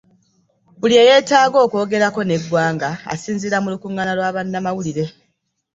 Buli ey'etaaga okwogeerako n'eggwanga asinziira mu Lukungaana lwa bannamawulire.